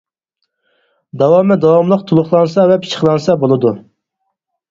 داۋامى داۋاملىق تولۇقلانسا ۋە پىششىقلانسا بولىدۇ.